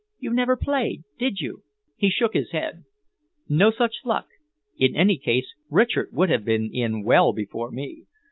You never played, did you?" He shook his head. "No such luck. In any case, Richard would have been in well before me.